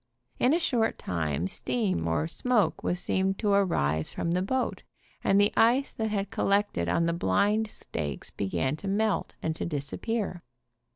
In a short time steam or smoke was seen to arise from the boat, and the ice that had col lected on the blind stakes began to melt and to dis 6 7 appear.